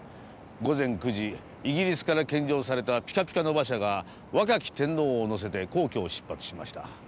午前９時イギリスから献上されたピカピカの馬車が若き天皇を乗せて皇居を出発しました。